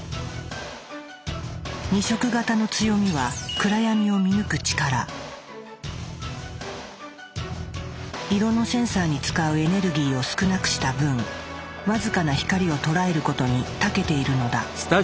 ２色型の強みは色のセンサーに使うエネルギーを少なくした分僅かな光を捉えることにたけているのだ。